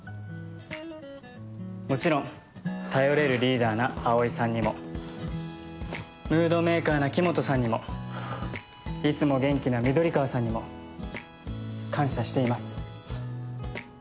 もちろん頼れるリーダーな青井さんにもムードメーカーな黄本さんにもいつも元気な緑川さんにも感謝しています。